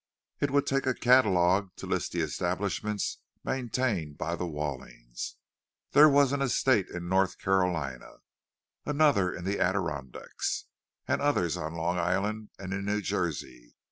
It would take a catalogue to list the establishments maintained by the Wallings—there was an estate in North Carolina, and another in the Adirondacks, and others on Long Island and in New Jersey.